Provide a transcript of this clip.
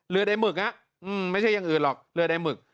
ใดหมึกไม่ใช่อย่างอื่นหรอกเรือใดหมึก